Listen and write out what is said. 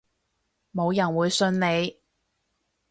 冇人會信你